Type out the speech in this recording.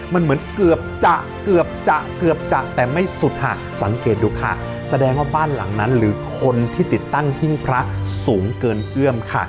มันเหมือนเกือบจะเกือบจะเกือบจะแต่ไม่สุดค่ะสังเกตดูค่ะแสดงว่าบ้านหลังนั้นหรือคนที่ติดตั้งหิ้งพระสูงเกินเอื้อมค่ะ